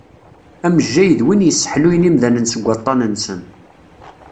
Amejjay d win yesseḥluyen imdanen seg waṭṭan-nsen.